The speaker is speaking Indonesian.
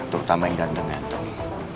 terutama yang ganteng ganteng